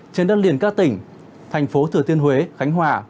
trên đất liền các tỉnh thành phố thừa thiên huế khánh hòa